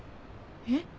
えっ？